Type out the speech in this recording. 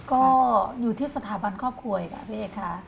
ก็อยู่ที่สถาบันครอบครัวค่ะพี่เอกค่ะ